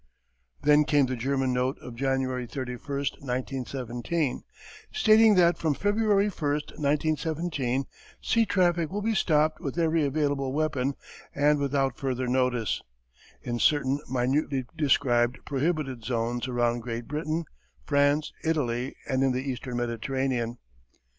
Then came the German note of January 31, 1917, stating that "from February 1, 1917, sea traffic will be stopped with every available weapon and without further notice" in certain minutely described "prohibited zones around Great Britain, France, Italy, and in the Eastern Mediterranean."